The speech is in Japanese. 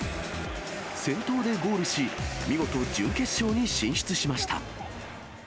先頭でゴールし、見事、準決勝に進出しました。